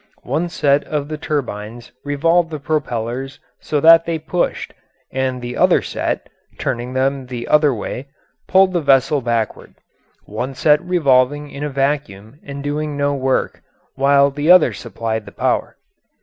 One set of the turbines revolved the propellers so that they pushed, and the other set, turning them the other way, pulled the vessel backward one set revolving in a vacuum and doing no work, while the other supplied the power.